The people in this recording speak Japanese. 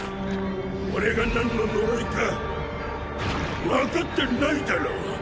俺がなんの呪いか分かってないだろ。